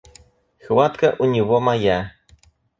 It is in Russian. Хватка у него моя.